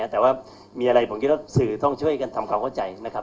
แต่ว่ามีอะไรผมคิดว่าสื่อต้องช่วยกันทำความเข้าใจนะครับ